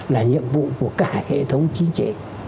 là nhiệm vụ của cả hệ thống chính trị